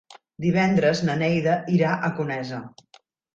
Divendres na Neida irà a Conesa.